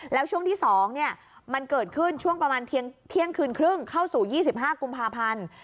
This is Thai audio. แล้วช่วงที่๒มันเกิดขึ้นช่วงประมาณเที่ยงคืนครึ่งเข้าสู่๒๕กุมภาพันธ์